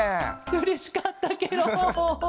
うれしかったケロ。